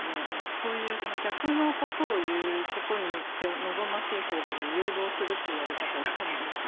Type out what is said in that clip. そういう逆のことを言うことによって望ましい方向に誘導するというやり方があるんですね。